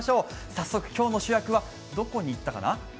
早速、今日の主役は、どこに行ったかな？